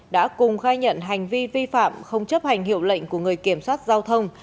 đã cùng khai nhận hành vi vi phạm không chấp hành hiệu lệnh của người kiểm soát giao thông